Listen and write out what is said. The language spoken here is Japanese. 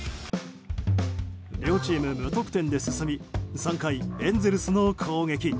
両チーム無得点で進み３回エンゼルスの攻撃。